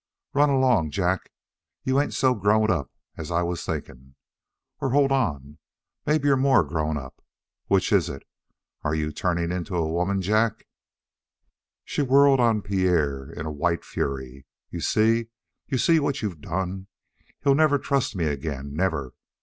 Run along, Jack. You ain't so growed up as I was thinkin'. Or hold on maybe you're more grown up. Which is it? Are you turnin' into a woman, Jack?" She whirled on Pierre in a white fury. "You see? You see what you've done? He'll never trust me again never!